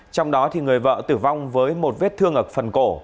trong đó người vợ tử vong với một vết thương ở phần cổ